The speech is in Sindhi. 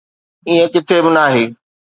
ائين ڪٿي به ناهي